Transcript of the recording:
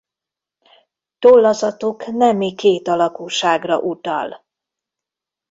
Tollazatuk nemi kétalakúságra utal.